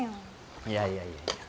いやいやいやいや。